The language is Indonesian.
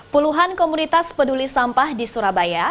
puluhan komunitas peduli sampah di surabaya